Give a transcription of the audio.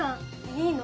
いいの？